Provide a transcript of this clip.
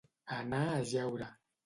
Anar a jeure.